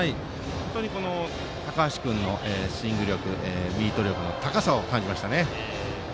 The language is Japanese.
本当に高橋君のスイング力ミート力の高さを感じました。